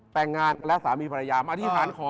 แต่งงานและสามีภรรยามาอธิษฐานขอ